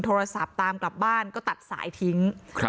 โทรศัพท์ตามกลับบ้านก็ตัดสายทิ้ง